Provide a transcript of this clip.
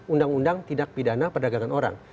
undang undang tidak pidana perdagangan orang